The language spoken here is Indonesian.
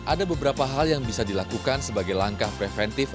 ada beberapa hal yang bisa dilakukan sebagai langkah preventif